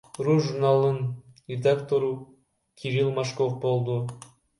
ру журналынын редактору Кирилл Мошков болду.